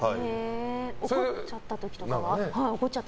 怒っちゃった時とかは？